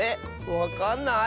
わかんない？